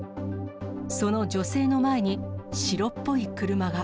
その女性の前に、白っぽい車が。